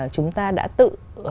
chúng ta đã tự